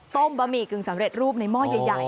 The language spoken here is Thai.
บะหมี่กึ่งสำเร็จรูปในหม้อใหญ่